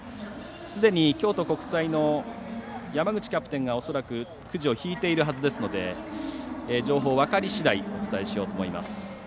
すでに京都国際の山口キャプテンが恐らくくじを引いているはずですので情報、分かりしだいお伝えしようと思います。